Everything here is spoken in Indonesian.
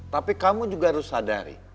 tapi kamu juga harus sadari